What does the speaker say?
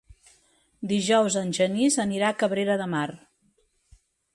Dijous en Genís anirà a Cabrera de Mar.